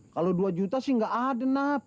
kalo dua juta sih gak ada